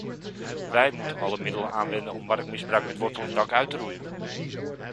Wij moeten alle middelen aanwenden om marktmisbruik met wortel en tak uit te roeien.